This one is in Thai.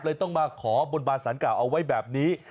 เลยต้องมาขอบนบานสรรกะเอาไว้แบบนี้